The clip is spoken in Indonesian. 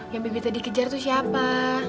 yang bibi tadi kejar tuh siapa